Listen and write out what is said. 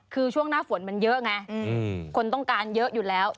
คือช่วงหน้าฝนมันเยอะไงคนต้องการเยอะอยู่แล้ว